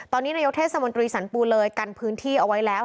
ตอนนี้นายกเทศมนตรีสรรปูเลยกันพื้นที่เอาไว้แล้ว